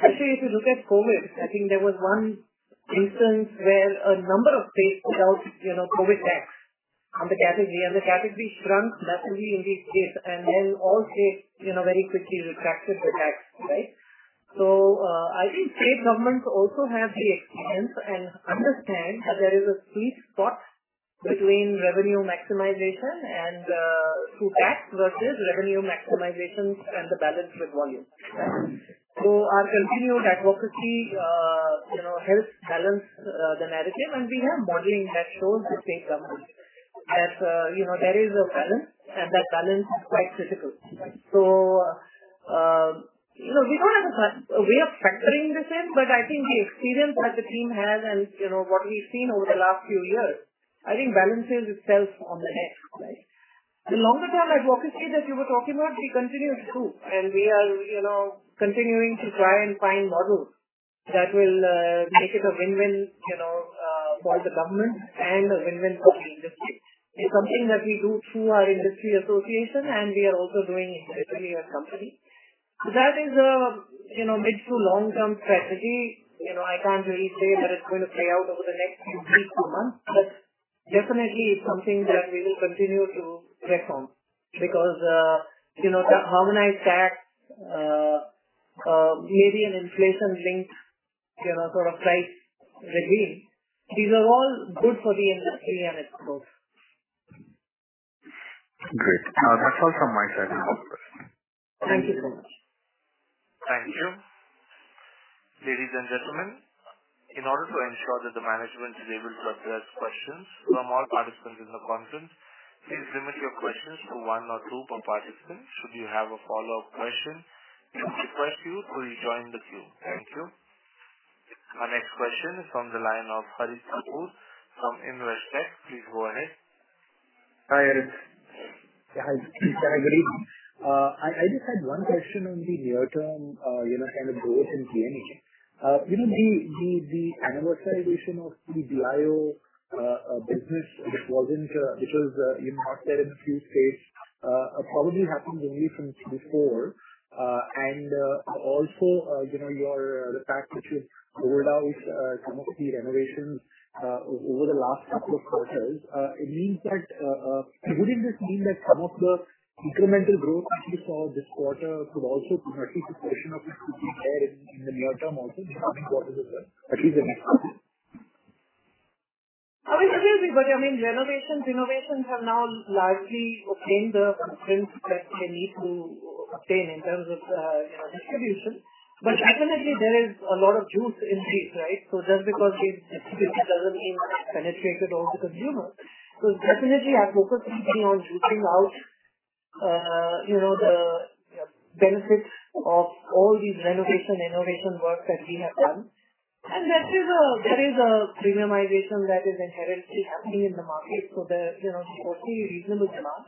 especially if you look at COVID, I think there was 1 instance where a number of states put out, you know, COVID tax on the category, and the category shrunk drastically in these states, and then all states, you know, very quickly retracted the tax, right? I think state governments also have the experience and understand that there is a sweet spot between revenue maximization and through tax versus revenue maximizations and the balance with volume. Our continued advocacy, you know, helps balance the narrative, and we have modeling that shows the state government as, you know, there is a balance, and that balance is quite critical. You know, we don't have a way of factoring this in, but I think the experience that the team has and, you know, what we've seen over the last few years, I think balances itself on the edge, right? The longer term advocacy that you were talking about, we continue to do, and we are, you know, continuing to try and find models that will make it a win-win, you know, for the government and a win-win for the industry. It's something that we do through our industry association, and we are also doing it internally as a company. That is a, you know, mid to long term strategy. You know, I can't really say that it's going to play out over the next two, three, four months, but definitely it's something that we will continue to work on because, you know, harmonized tax, maybe an inflation link, you know, sort of price regime, these are all good for the industry and its growth. Great. That's all from my side. Thank you so much. Thank you. Ladies and gentlemen, in order to ensure that the management is able to address questions from all participants in the conference, please limit your questions to one or two per participant. Should you have a follow-up question, we request you to rejoin the queue. Thank you. Our next question is from the line of Harit Kapoor from Investec. Please go ahead. Hi, Harish. Hi, good evening. I just had one question on the near term, you know, kind of growth in P&H. You know, the annualization of the BIO business, it wasn't, it was, you know, out there in few states, probably happened only since Q4. Also, you know, your the fact that you've pulled out, some of the renovations, over the last couple of quarters, it means that... Wouldn't this mean that some of the incremental growth that you saw this quarter could also at least a portion of it, could be there in the near term also becoming quarters as well, at least in the next quarter? Obviously, I mean, renovations, innovations have now largely obtained the strength that they need to obtain in terms of, you know, distribution. Definitely there is a lot of juice in these, right? Just because they've distributed, doesn't mean penetrated all the consumers. Definitely I'm focusing on juicing out, you know, the benefits of all these renovation, innovation work that we have done. That is a, there is a premiumization that is inherently happening in the market. There, you know, totally reasonable demand.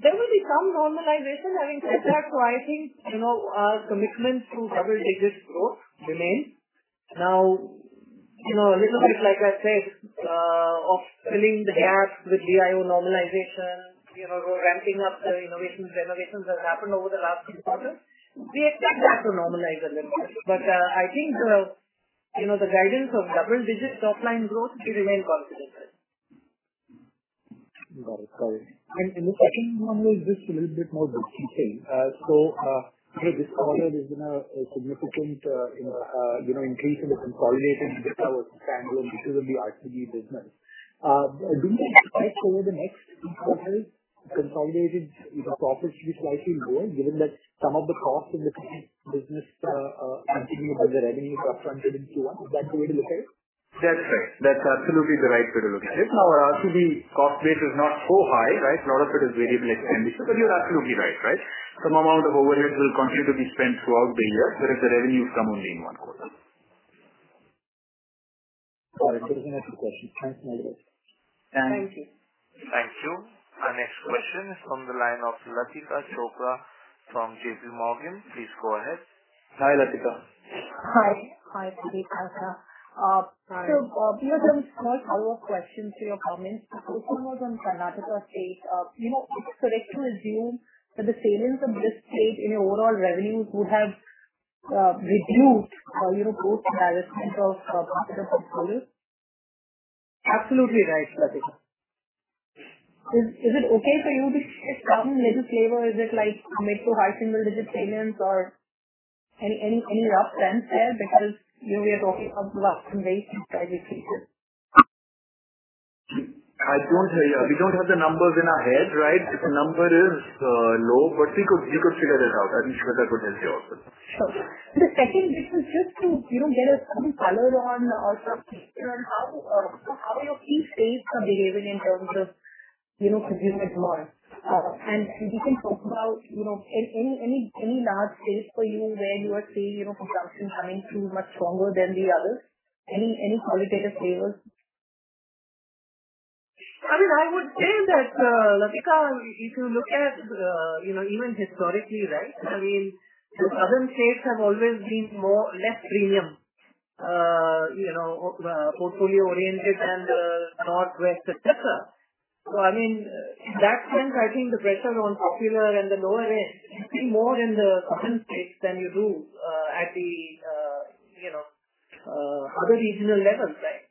There will be some normalization, I think. I think, you know, our commitment to double-digit growth remains. Now, you know, a little bit, like I said, of filling the gap with BIO normalization, you know, ramping up the innovations, renovations that happened over the last few quarters, we expect that to normalize a little bit. I think, you know, the guidance of double-digit top line growth, we remain confident. Got it. Got it. The second one is just a little bit more detail. This quarter there's been a significant, you know, increase in the consolidated debt or standalone, which will be RCB business. Do you expect over the next few quarters, consolidated profits will be slightly lower, given that some of the costs in the current business, continue, or the revenue cost trends and so on? Is that the way to look at it? That's right. That's absolutely the right way to look at it. RCB cost base is not so high, right? A lot of it is variable expenses, you're absolutely right? Some amount of overheads will continue to be spent throughout the year, if the revenues come only in one quarter. Got it. That was my next question. Thanks, Pradeep. Thank you. Thank you. Our next question is from the line of Latika Chopra from JPMorgan. Please go ahead. Hi, Latika. Hi. Hi, Pradeep. We have some small follow-up questions to your comments. The first one was on Karnataka State. You know, is it correct to assume that the sales in this state, in your overall revenues would have reduced, you know, growth management of popular portfolios? Absolutely right, Latika. Is it okay for you to get some little flavor? Is it like mid to high single-digit sales or any rough sense there? You know, we are talking about some very strategic features. I don't. We don't have the numbers in our head, right? The number is low, but you could figure that out. I mean, Shweta could tell you also. Sure. The second, which is just to, you know, get some color on or some feature on how are your key states are behaving in terms of, you know, consumer demand? And if you can talk about, you know, any large states for you where you are seeing, you know, consumption coming through much stronger than the others. Any qualitative flavors? I mean, I would say that, Latika, if you look at, you know, even historically, right? I mean, the southern states have always been more less premium, you know, portfolio-oriented than the northwest, et cetera. I mean, in that sense, I think the pressure on popular and the lower end is still more in the southern states than you do, at the, you know, other regional levels, right?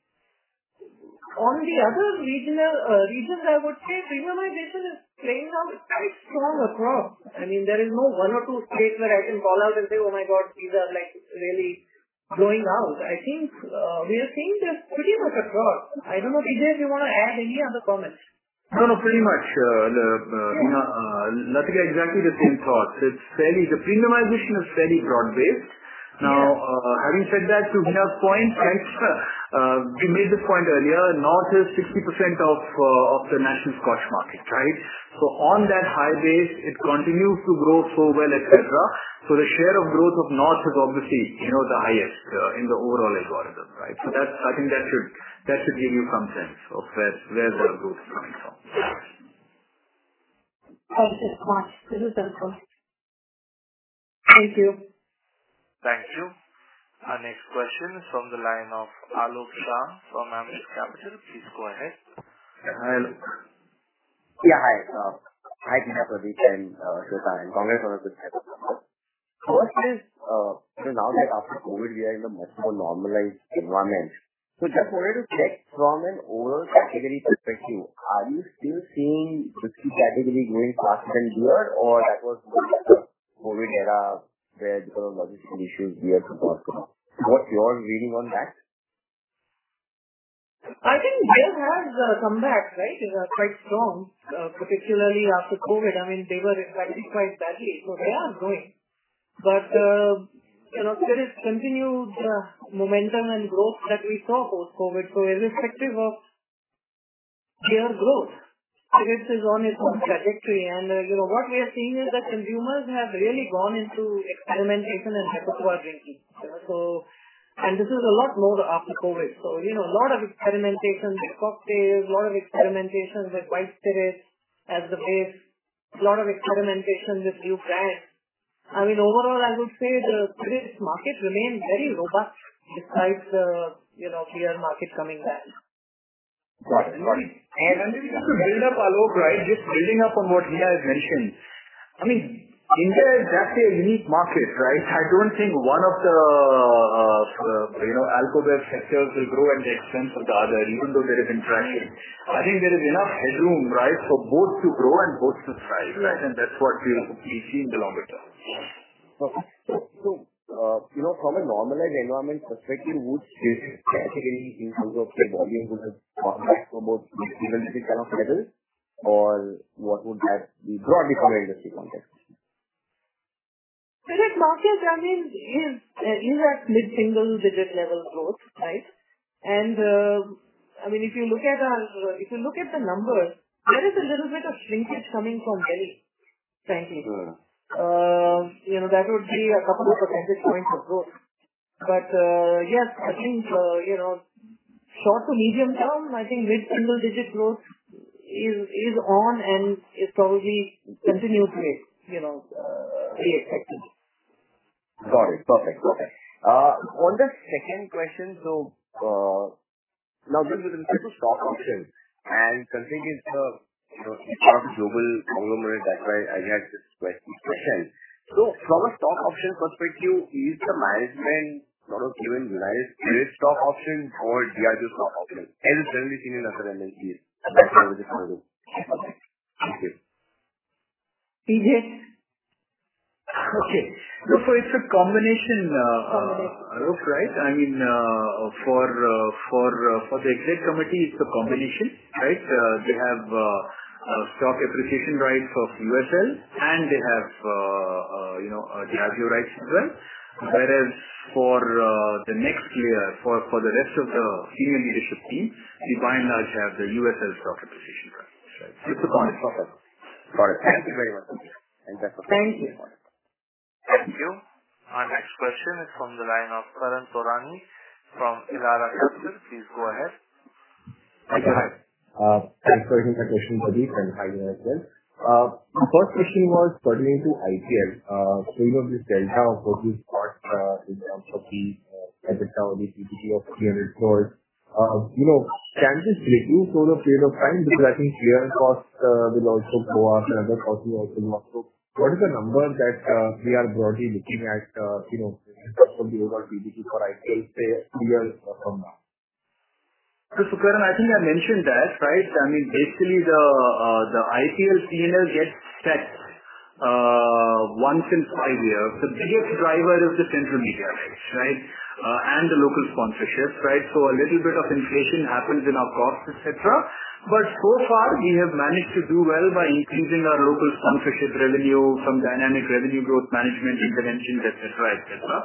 On the other regional regions, I would say premiumization is playing out quite strong across. I mean, there is no one or two states where I can call out and say, "Oh, my God, these are, like, really going out." I think we are seeing this pretty much across. I don't know, Pradeep, if you wanna add any other comments? No, no, pretty much. Latika, exactly the same thought. The premiumization is fairly broad-based. Yes. Now, having said that, to Latika's point, right, you made this point earlier, North is 60% of the national Scotch market, right? On that high base, it continues to grow so well, et cetera. The share of growth of North is obviously, you know, the highest in the overall algorithm, right? That's I think that should give you some sense of where the growth is coming from. Understood. Got it. This is helpful. Thank you. Thank you. Our next question is from the line of Alok Shah from Ambit Capital. Please go ahead. Hi, Alok. Yeah. Hi. Hi, Pradeep, Pradeep, and Shweta. Congratulations. First is, now that after COVID, we are in the much more normalized environment. Just wanted to check from an overall category perspective, are you still seeing risky category doing faster than beer, or that was more like the COVID era where there were logistical issues we had to go through? What's your reading on that? I think beer has come back, right, quite strong, particularly after COVID. I mean, they were impacted quite badly, so they are growing. You know, there is continued momentum and growth that we saw post-COVID. Irrespective of beer growth, spirits is on its own trajectory. You know, what we are seeing is that consumers have really gone into experimentation and purposeful drinking. This is a lot more after COVID. You know, a lot of experimentation with cocktails, a lot of experimentation with white spirits as the base, a lot of experimentation with new brands. I mean, overall, I would say the spirits market remains very robust despite the, you know, beer market coming back. Got it. Got it. Just to build up, Alok, right? Just building up on what Hina has mentioned. I mean, India is actually a unique market, right? I don't think one of the, you know, alcohol-based sectors will grow at the expense of the other, even though there is interaction. I think there is enough headroom, right, for both to grow and both to thrive, right? That's what we've seen long term. You know, from a normalized environment perspective, would you actually, in terms of the volume, would have come back to about single-digit kind of levels or what would that be broadly from an industry context? Well, the market, I mean, is at mid-single digit level growth, right? I mean, if you look at the numbers, there is a little bit of shrinkage coming from Delhi, frankly. Mm-hmm. You know, that would be a couple of percentage points of growth. Yes, I think, you know, short to medium term, I think mid-single digit growth is on, and it probably continues to be, you know, be effective. Got it. Perfect. Okay. On the second question, now with respect to stock options and considering it's a, you know, part of global conglomerate, that's why I had this question. From a stock option perspective, is the management, sort of, giving nice great stock options or just stock options? Is there anything in other than these? Yeah. Okay. Okay. Okay. It's a combination, right? I mean, for the exec committee, it's a combination, right? They have a stock appreciation right for USL, and they have, you know, they have rights as well. Whereas for the next layer, for the rest of the senior leadership team, we by and large have the USL stock appreciation right. Got it. Got it. Thank you very much. Thank you. Thank you. Our next question is from the line of Karan Taurani from Elara Capital. Please go ahead. Thank you. Thanks for taking my question, Pradeep, and hi to you as well. First question was pertaining to IPL. You know, this delta of what you thought, in terms of the EBITDA or the PBT of 300 crore, you know, can this reduce over a period of time? Because I think player costs will also go up and other costs will also go up. What is the number that we are broadly looking at, you know, in terms of the overall PBT for IPL, say, two years from now? Karan, I think I mentioned that, right? I mean, basically the IPL P&L gets set once in five years. The biggest driver is the central media rights, right? And the local sponsorships, right? A little bit of inflation happens in our costs, et cetera, but so far we have managed to do well by increasing our local sponsorship revenue from dynamic revenue growth management interventions, et cetera, et cetera,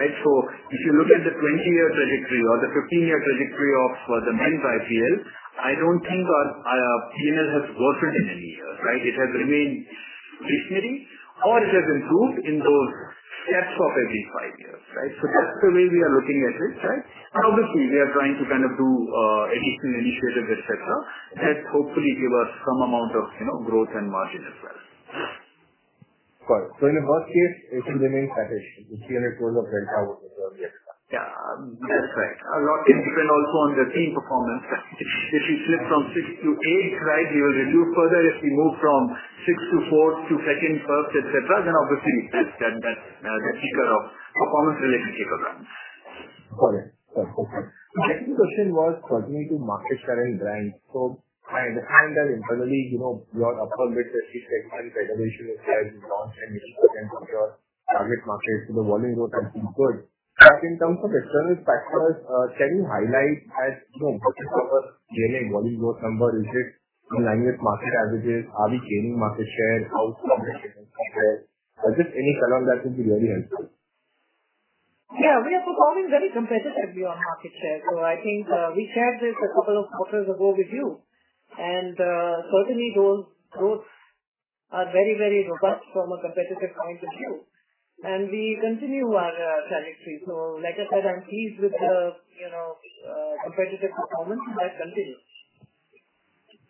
right? If you look at the 20-year trajectory or the 15-year trajectory of what the main IPL, I don't think our P&L has worsened in any year, right? It has remained stationary or it has improved in those steps of every five years, right? That's the way we are looking at it, right? Obviously, we are trying to kind of do additional initiatives, et cetera, that hopefully give us some amount of, you know, growth and margin as well. Got it. In the best case, it will remain static, the 300 crore of delta over the years. Yeah, that's right. A lot will depend also on the team performance. If we slip from sixth to eighth, right, we will reduce further. We move from sixth to fourth to second, first, et cetera, obviously that's the kicker of performance relationship around. Got it. My second question was pertaining to market share and brands. I understand that internally, you know, your upper mid-tier segment reservation is high, and you can capture target markets. The volume growth has been good. In terms of external factors, can you highlight as, you know, what is our P&A volume growth number? Is it in line with market averages? Are we gaining market share? How is the market share? Just any color on that would be really helpful. We are performing very competitively on market share. I think, we shared this a couple of quarters ago with you, and, certainly those growth are very, very robust from a competitive point of view, and we continue our trajectory. Like I said, I'm pleased with the, you know, competitive performance, and that continues.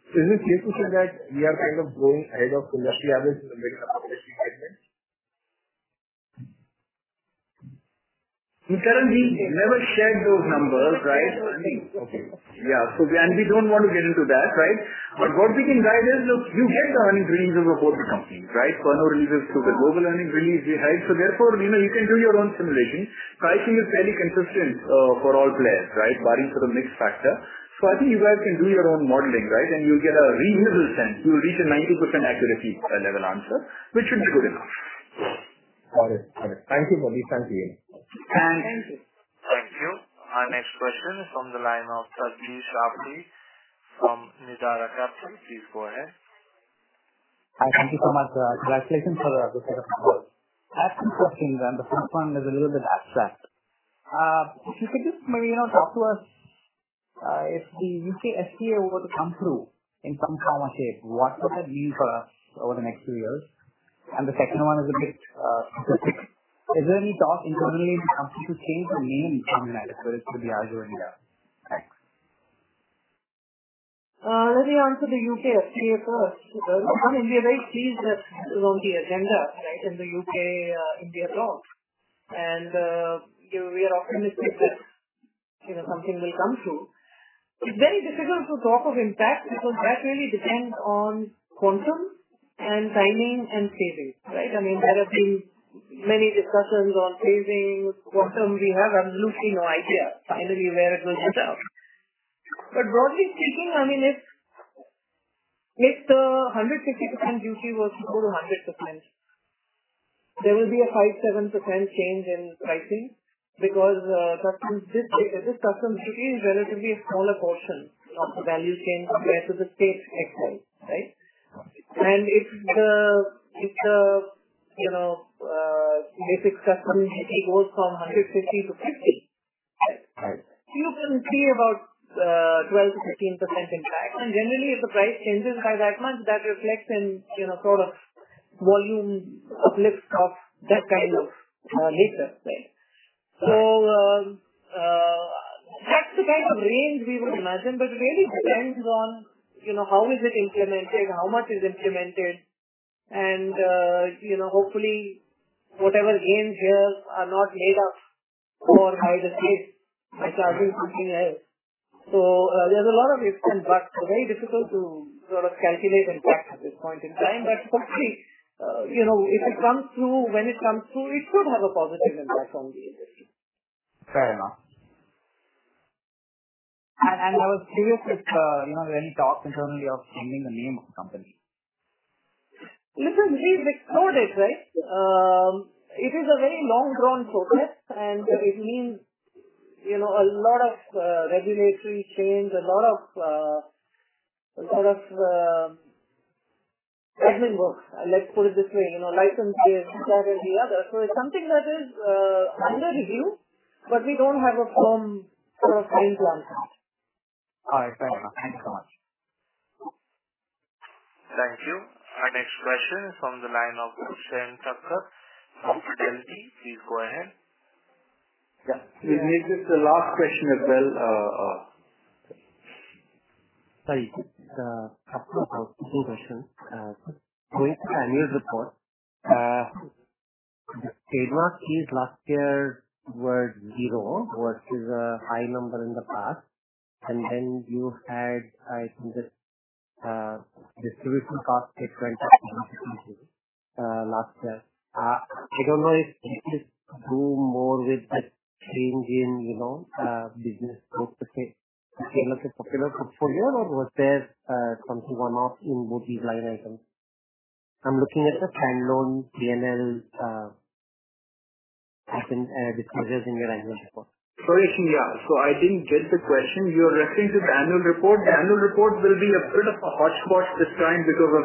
Is it safe to say that we are kind of going ahead of the industry average in the mid-term competitive segment? We currently have never shared those numbers, right? Okay. Yeah. We don't want to get into that, right? What we can guide is, look, you get the earnings releases of both the companies, right? Pernod releases to the global earnings release, right? Therefore, you know, you can do your own simulation. Pricing is fairly consistent for all players, right? Barring for the mix factor. I think you guys can do your own modeling, right? You'll get a reasonable sense. You'll reach a 90% accuracy level answer, which should be good enough. Got it. Got it. Thank you for this. Thank you. Thank you. Thank you. Our next question is from the line of Tarbir Shahpuri from Nidara Capital. Please go ahead. Hi, thank you so much. Congratulations for the second quarter. I have some questions. The first one is a little bit abstract. If you could just maybe, you know, talk to us, if the UK FTA were to come through in some form or shape, what would that mean for us over the next few years? The second one is a bit specific. Is there any talk internally to change the name from United Spirits to Diageo India? Thanks. Let me answer the UK FTA first. From India, right, it is on the agenda, right, in the UK, India talk. We are optimistic that, you know, something will come through. It's very difficult to talk of impact, because that really depends on quantum and timing and phasing, right? I mean, there have been many discussions on phasing. Quantum, we have absolutely no idea finally where it will turn out. Broadly speaking, I mean, if the 150% duty was to go to 100%, there will be a 5%-7% change in pricing because customs, this customs duty is relatively a smaller portion of the value chain compared to the state excise, right? If the, you know, basic custom duty goes from 150 to 50- Right. You can see about, 12%-15% impact. Generally, if the price changes by that much, that reflects in, you know, sort of volume uplift of that kind of, liquor, right? That's the kind of range we would imagine, but it really depends on, you know, how is it implemented, how much is implemented, and, you know, hopefully whatever gains here are not made up for by the state by charging something else. There's a lot of ifs and buts. Very difficult to sort of calculate impact at this point in time. Hopefully, you know, if it comes through, when it comes through, it could have a positive impact on the industry. Fair enough. I was curious if you have any thoughts internally of changing the name of the company? Listen, we've explored it, right? It is a very long drawn process, and it means, you know, a lot of regulatory change, a lot of admin work. Let's put it this way, you know, license this, that, and the other. It's something that is under review, but we don't have a firm, sort of, plan as of now. All right, fair enough. Thank you so much. Thank you. Our next question is from the line of Akshen Thakkar from Fidelity. Please go ahead. Yeah, please make this the last question as well. Sorry, 2 questions. Going to the annual report, the trademark fees last year were 0, versus a high number in the past, then you had, I think, the distribution cost went up, last year. I don't know if this is to do more with the change in, you know, business scope to fit a popular portfolio, or was there something or not in both these line items? I'm looking at the P&L, PNL, items, disclosures in your annual report. Sorry, yeah. I didn't get the question. You are referring to the annual report. Annual report will be a bit of a hotspot this time because of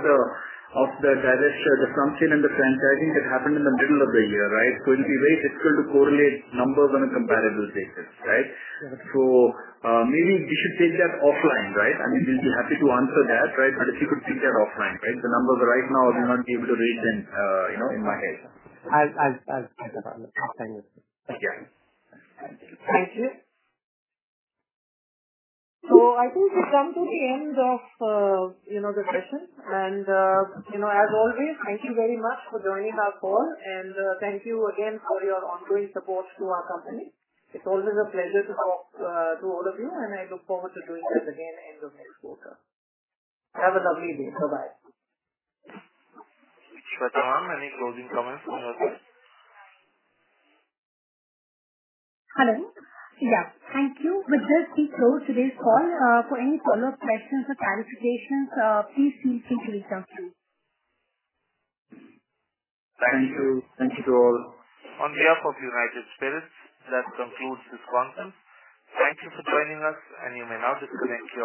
the divesture, the franchising that happened in the middle of the year, right? It'll be very difficult to correlate numbers on a comparable basis, right? Yeah. Maybe we should take that offline, right? I mean, we'll be happy to answer that, right? If you could take that offline, right? The numbers right now, we're not able to read them, you know, in my head. I'll check it out. Thank you. Yeah. Thank you. I think we've come to the end of, you know, the session and, you know, as always, thank you very much for joining our call, and thank you again for your ongoing support to our company. It's always a pleasure to talk to all of you, and I look forward to doing this again end of next quarter. Have a lovely day. Bye-bye. Shweta Ma'am, any closing comments from your side? Hello. Yeah. Thank you. We'll just close today's call. For any follow-up questions or clarifications, please feel free to reach out to me. Thank you. Thank you to all. On behalf of United Spirits, that concludes this conference. Thank you for joining us, and you may now disconnect your lines.